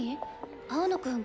青野くん